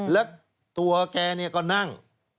แล้วตัวแกเนี่ยก็นั่ง